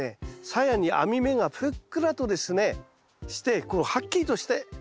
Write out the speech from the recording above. さやに網目がふっくらとですねしてこうはっきりとしてたらですね